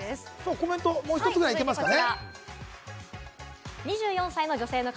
コメントもう一つぐらいいけますかね？